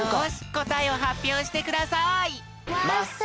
こたえをはっぴょうしてください！